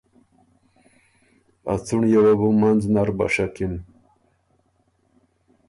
ا څُنړيې وه بُو منځ نر بَشکِن